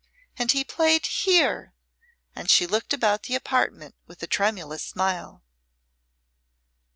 And he played here " and she looked about the apartment with a tremulous smile.